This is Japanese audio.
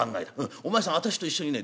お前さん私と一緒にね